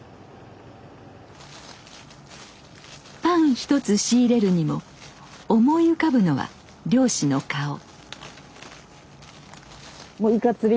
パン一つ仕入れるにも思い浮かぶのは漁師の顔。